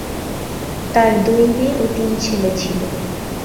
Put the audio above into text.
তাঁর দুই মেয়ে ও তিন ছেলে ছিল।